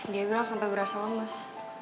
dia bilang sampai berasa lemes